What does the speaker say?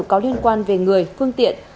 có liên quan về người phương tiện